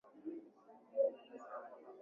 Nunua sukari.